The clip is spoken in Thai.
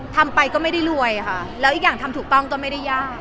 ทำไปก็ไม่ได้รวยค่ะแล้วอีกอย่างทำถูกต้องก็ไม่ได้ยาก